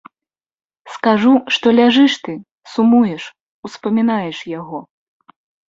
Скажу, што ляжыш ты, сумуеш, успамінаеш яго.